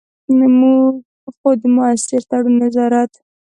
خو د مؤثر تړون، نظارت.